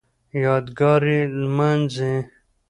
یادګار یې نمانځي